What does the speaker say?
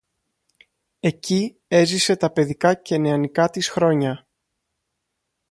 Εκεί έζησε τα παιδικά και νεανικά της χρόνια